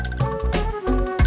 kita berusaha untuk memiliki